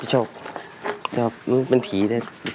พี่โชครับมันเป็นพีทย์นี่